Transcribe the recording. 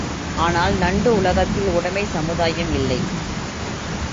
ஆனால் நண்டு உலகத்தில் உடைமைச் சமுதாயம் இல்லை.